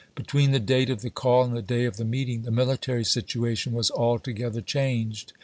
Between the date of the call and the day of the meeting the military situation was altogether changed.